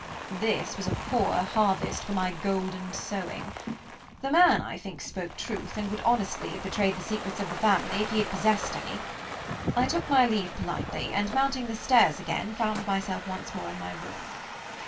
This was a poor harvest for my golden sowing. The man, I think, spoke truth, and would honestly have betrayed the secrets of the family, if he had possessed any. I took my leave politely; and mounting the stairs again, I found myself once more in my room.